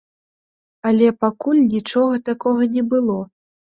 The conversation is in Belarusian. Але пакуль нічога такога не было.